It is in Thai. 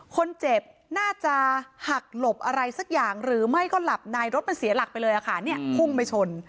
คนเจ็บน่าจะหักหลบอะไรสักอย่างหรือไม่ก็หลับในรถมันเสียหลักไปเลยค่ะเนี่ยพุ่งไปชน